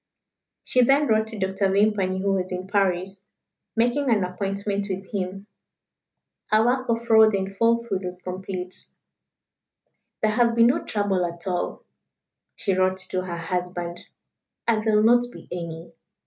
She then wrote to Dr. Vimpany, who was in Paris, making an appointment with him. Her work of fraud and falsehood was complete. "There has been no trouble at all," she wrote to her husband; "and there will not be any.